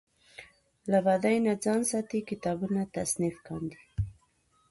له بدۍ نه ځان ساتي کتابونه تصنیف کاندي.